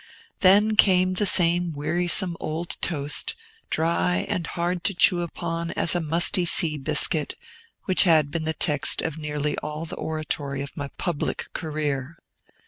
Then came the same wearisome old toast, dry and hard to chew upon as a musty sea biscuit, which had been the text of nearly all the oratory of my public career.